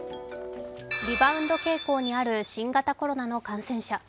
リバウンド傾向にある新型コロナの感染者。